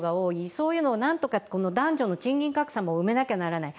そういうのをなんとか男女の賃金格差も埋めなくちゃならない。